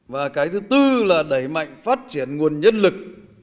và cái thứ tư là đẩy mạnh phát triển nguồn nhân lực